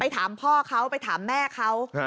ถามพ่อเขาไปถามแม่เขา